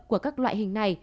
của các loại hình này